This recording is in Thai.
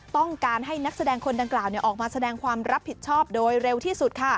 ต้องการให้นักแสดงคนดังกล่าวออกมาแสดงความรับผิดชอบโดยเร็วที่สุด